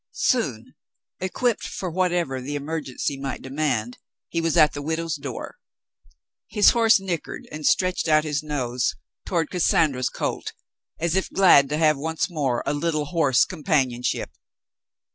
Soon, equipped for whatever the emergency might demand, he was at the widow's door. His horse nickered and stretched out his nose toward Cassandra's colt as if glad to have once more a little horse companionship.